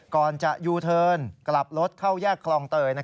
ก่อนจะยูเทิร์นกลับรถเข้าแยกคลองเตย